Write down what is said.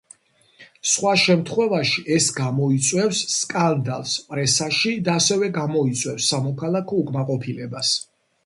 სხვა შემთხვევაში ეს გამოიწვევს სკანდალს პრესაში და ასევე გამოიწვევს სამოქალაქო უკმაყოფილებას.